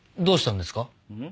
ん？